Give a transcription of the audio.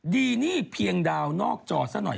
ดีนี่เพียงดาวนอกจอซะหน่อย